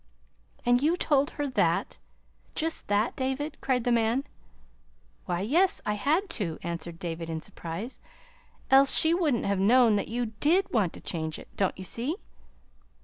"And you told her that just that, David?" cried the man. "Why, yes, I had to," answered David, in surprise, "else she wouldn't have known that you DID want to change it. Don't you see?"